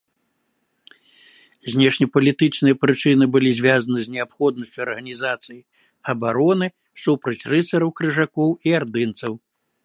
Знешнепалітычныя прычыны былі звязаны з неабходнасцю арганізацыі абароны супраць рыцараў-крыжакоў і ардынцаў.